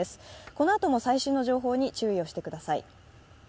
このあとも最新の情報に注意をしてください。